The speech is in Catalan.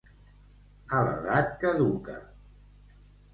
A l'edat caduca.